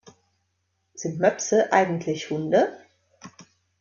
Sind Möpse eigentlich Hunde?